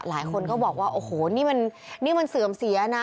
หลายคนก็บอกว่าโอ้โหนี่มันเสื่อมเสียนะ